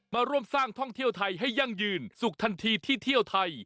มาร่วมสร้างท่องเที่ยวไทยให้ยั่งยืนสุขทันทีที่เที่ยวไทย